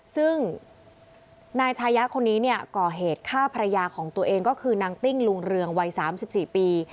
ซึ่งนายชายะคนนี้เนี่ยก่อเหตุฆ่าภรรยาของตัวเองก็คือนางติ้งลุงเรืองวัย๓๔ปี